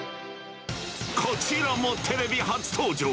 こちらもテレビ初登場。